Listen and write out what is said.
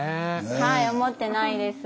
はい思ってないです。